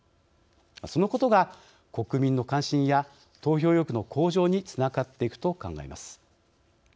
そのことが国民の関心や投票意欲の向上につながっていくと考えます。